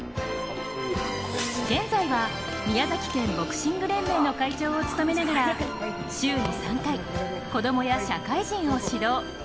現在は宮崎県ボクシング連盟の会長を務めながら週に３回、子供や社会人を指導。